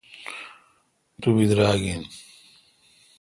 تو بدراگ این۔